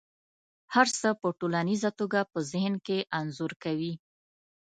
هر څه په ټوليزه توګه په ذهن کې انځور کوي.